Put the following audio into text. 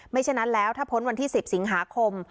ฉะนั้นแล้วถ้าพ้นวันที่๑๐สิงหาคม